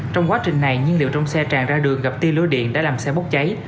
trong quá trình này nhiên liệu trong xe tràn ra đường gặp ti lưới điện đã làm xe bốc cháy